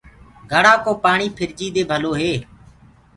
گھڙآ ڪو پآڻي ڦِرجي دي ڀلو هي۔